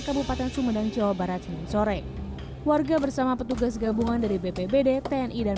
kabupaten sumedang jawa barat senin sore warga bersama petugas gabungan dari bpbd tni dan